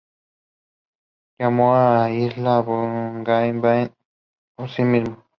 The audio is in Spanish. Llamó a la isla Bougainville, por sí mismo.